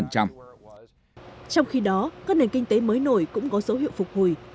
trong khi đó các nền kinh tế mới nổi cũng có dấu hiệu phục hồi